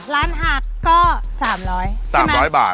ล้านหักก็๓๐๐บาทใช่ไหมครับ๓๐๐บาท